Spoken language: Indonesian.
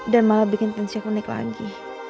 dan malah bikin tensi aku naik lagi